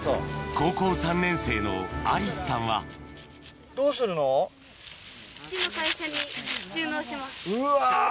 高校３年生の愛梨朱さんはうわ。